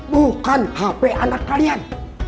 bukan hp anak kalian